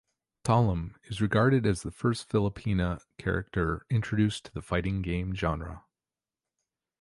Talim is regarded as the first Filipina character introduced to the fighting game genre.